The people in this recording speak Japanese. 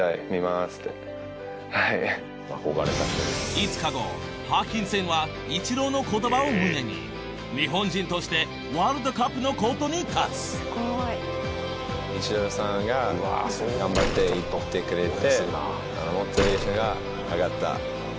５日後ホーキンソンはイチローの言葉を胸に日本人としてワールドカップのコートに立つ言ってくれて。